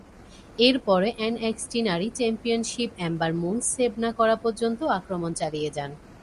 এরপরে, এনএক্সটি নারী championship Amber Moon save না করা পর্যন্ত আক্রমণ চালিয়ে যান।